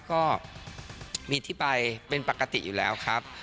ก็มีที่ไปเป็นปกติอยู่แล้วครับ